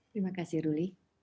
terima kasih ruli